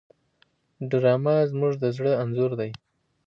ډرامه زموږ د زړه انځور دی